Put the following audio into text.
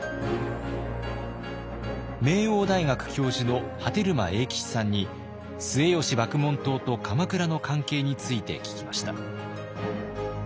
名桜大学教授の波照間永吉さんに末吉麦門冬と鎌倉の関係について聞きました。